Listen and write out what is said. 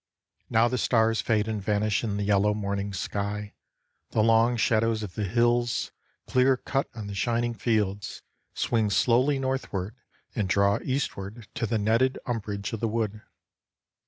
Now the stars fade and vanish in the yellow morning sky, the long shadows of the hills, clear cut on the shining fields, swing slowly northward and draw eastward to the netted umbrage of the wood.